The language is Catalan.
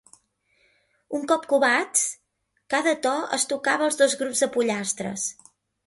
Un cop covats, cada to es tocava als dos grups de pollastres.